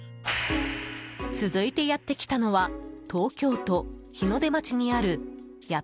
続いてやってきたのは東京都日の出町にある谷